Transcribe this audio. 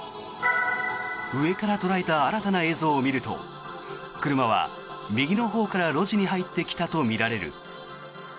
上から捉えた新たな映像を見ると車は右のほうから路地に入ってきたとみられる。